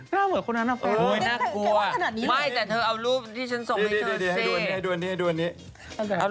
เกื่อเหมือนคุณคนน่ะน่ากลัว